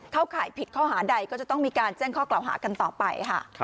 ข่ายผิดข้อหาใดก็จะต้องมีการแจ้งข้อกล่าวหากันต่อไปค่ะ